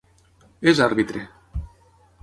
És àrbitre.